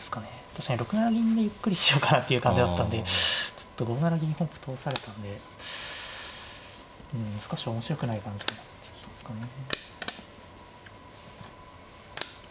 確かに６七銀でゆっくりしようかなっていう感じだったんでちょっと５七銀本譜通されたんで少し面白くない感じになっちゃったんですかね。